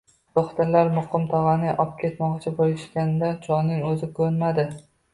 Do`xtirlar Muqim tog`ani opketmoqchi bo`lishganda, cholning o`zi ko`nmadi